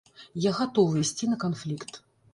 Я гатовы ісці на канфлікт.